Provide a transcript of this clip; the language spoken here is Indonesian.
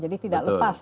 jadi tidak lepas